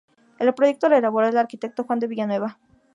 El proyecto lo elaboró el arquitecto Juan de Villanueva.